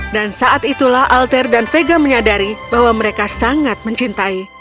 dan saat itulah alter dan vega menyadari bahwa mereka sangat mencintai